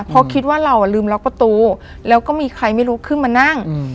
เพราะคิดว่าเราลืมล็อกประตูแล้วก็มีใครไม่รู้ขึ้นมานั่ง